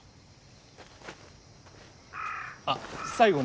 あっ最後に。